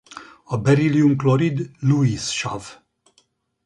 A berillium-klorid Lewis-sav.